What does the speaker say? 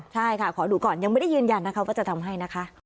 ใช่ค่ะขอดูก่อนยังไม่ได้ยืนยันนะคะว่าจะทำให้นะคะ